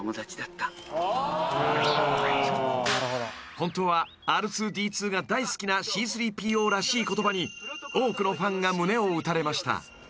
［本当はＲ２−Ｄ２が大好きなＣ−３ＰＯらしい言葉に多くのファンが胸を打たれました］